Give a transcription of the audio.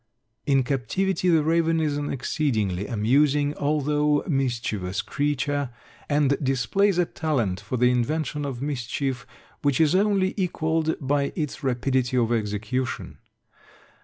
In captivity the raven is an exceedingly amusing, although mischievous creature, and displays a talent for the invention of mischief which is only equaled by its rapidity of execution.